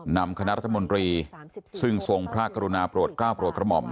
นำคณะรัฐมนตรีซึ่งทรวงพระกรุณาปลวจข้าวประวบ